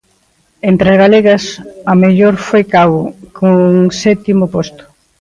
Entre as galegas a mellor foi Cabo, cun sétimo posto.